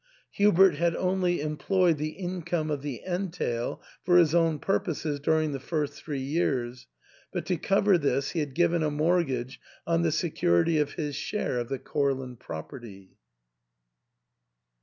Hubert had only employed the in come of the entail for his own purposes during the first three years, but to cover this he had given a mortgage on the security of his share of the Courland property.